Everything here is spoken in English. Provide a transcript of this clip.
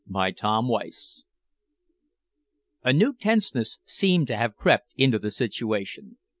CHAPTER IV A new tenseness seemed to have crept into the situation.